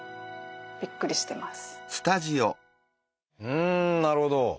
うんなるほど！